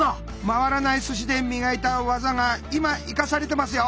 回らない寿司で磨いた技が今生かされてますよ！